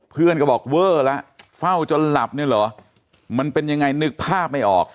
เพื่อนก็บอกเวอร์แล้วเฝ้าจนหลับเนี่ยเหรอมันเป็นยังไงนึกภาพไม่ออก